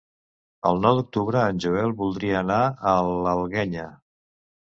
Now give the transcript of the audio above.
El nou d'octubre en Joel voldria anar a l'Alguenya.